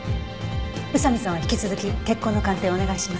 宇佐見さんは引き続き血痕の鑑定をお願いします。